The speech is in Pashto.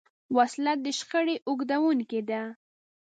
وسله د شخړې اوږدوونکې ده